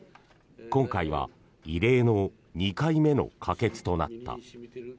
今回は異例の２回目の可決となった。